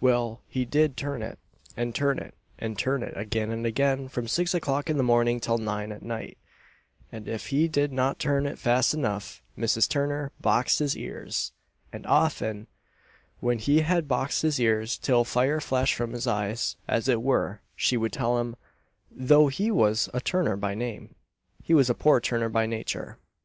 Well, he did turn it; and turn it, and turn it, again and again, from six o'clock in the morning till nine at night; and if he did not turn it fast enough, Mrs. Turner boxed his ears; and often, when she had boxed his ears till fire flashed from his eyes, as it were, she would tell him, "though he was a turner by name, he was a poor turner by nature."